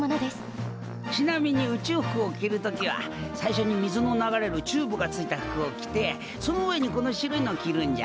ちなみに宇宙服を着る時は最初に水の流れるチューブが付いた服を着てその上にこの白いのを着るんじゃ。